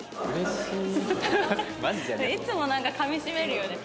いつもなんかかみしめるよね。